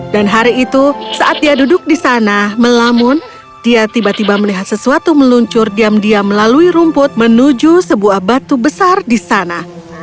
dan hari itu saat dia duduk di sana melamun dia tiba tiba melihat sesuatu meluncur diam diam melalui rumput menuju sebuah batu besar di sana